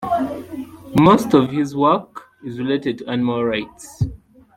Most of his work is related to animal rights.